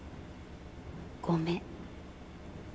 ごめん。